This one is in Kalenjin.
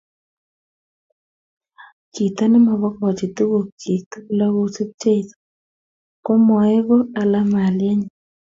Chito nimabokochi tukuk chik tukul akosub Jeso, komaeko alamalaenyi